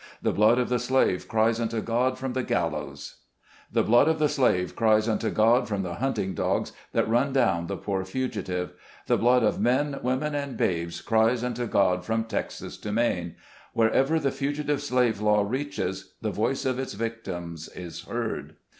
The blood of the slave cries unto God from the gallows. THE BLOOD OF THE SLAVE. 219 The blood of the slave cries unto God from the hunting dogs that run down the poor fugitive. The blood of men, women and babes cries unto God from Texas to Maine. Wherever the Fugitive Slave Law reaches, the voice of its victims is heard.